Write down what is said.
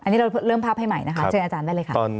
อันนี้เราเริ่มภาพให้ใหม่นะคะเชิญอาจารย์ได้เลยค่ะ